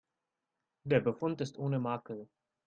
Der Befund ist ohne Makel.